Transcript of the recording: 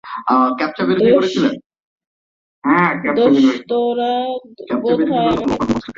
দোস্তরা বোধহয় আমাদের ব্যাজটা চিনতে পারেনি।